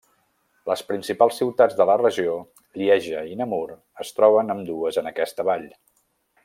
Les principals ciutats de la regió, Lieja i Namur, es troben ambdues en aquesta vall.